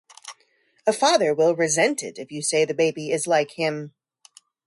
A father will resent it if you say the baby is like him.